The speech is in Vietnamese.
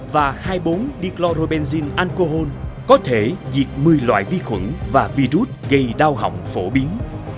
và hai mươi bốn dcloorben ancohom có thể diệt một mươi loại vi khuẩn và virus gây đau hỏng phổ biến